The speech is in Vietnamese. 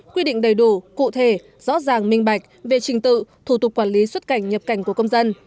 quy định đầy đủ cụ thể rõ ràng minh bạch về trình tự thủ tục quản lý xuất cảnh nhập cảnh của công dân